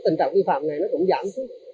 thì tình trạng vi phạm này cũng giảm